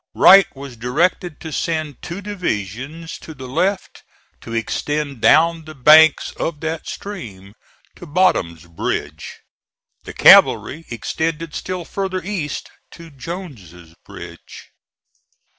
Wright was directed to send two divisions to the left to extend down the banks of that stream to Bottom's Bridge. The cavalry extended still farther east to Jones's Bridge.